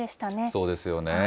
そうですよね。